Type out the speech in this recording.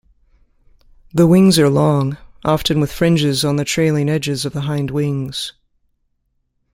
The wings are long, often with fringes on the trailing edges of the hindwings.